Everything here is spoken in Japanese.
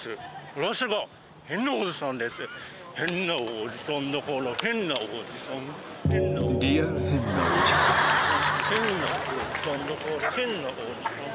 変なおじさんだから変なおじさん